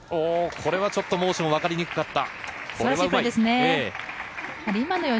これはモーションわかりにくかった。